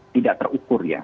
tidak terukur ya